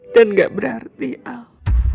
dan gak berarti al